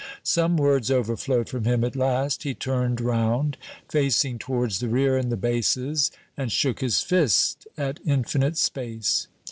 Some words overflowed from him at last. He turned round facing towards the rear and the bases and shook his fist at infinite space.